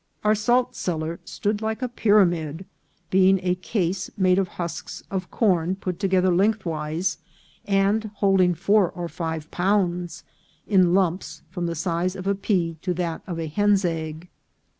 Our saltcellar stood like a pyramid, being a case made of husks of corn put together lengthwise, and holding four or five pounds, in lumps from the size of a pea to that of a hen's egg.